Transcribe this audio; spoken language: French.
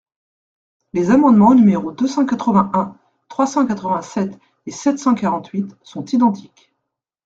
Les amendements numéros deux cent quatre-vingt-un, trois cent quatre-vingt-sept et sept cent quarante-huit sont identiques.